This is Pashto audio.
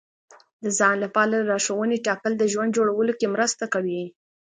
د ځان لپاره لارښوونې ټاکل د ژوند جوړولو کې مرسته کوي.